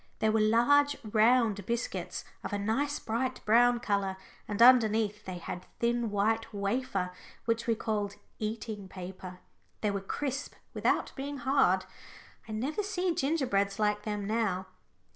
They were large round biscuits, of a nice bright brown colour, and underneath they had thin white wafer, which we called "eating paper." They were crisp without being hard. I never see gingerbreads like them now.